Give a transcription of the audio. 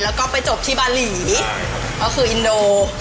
แล้วก็ไปจบที่บาหลีก็คืออินโด